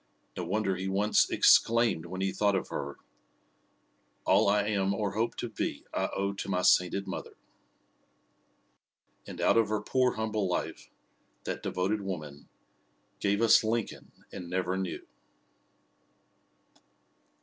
No wonder he once exclaimed when he thought of her: "All I am or hope to be I owe to my sainted mother." And out of her poor, humble life, that devoted woman "Gave us Lincoln and never knew!"